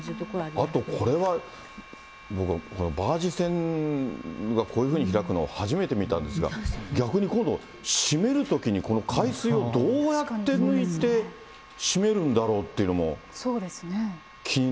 あとこれは、僕は、バージ船がこういうふうに開くのを初めて見たんですが、逆に今度閉めるときにこの海水をどうやって抜いて閉めるんだろうそうですね。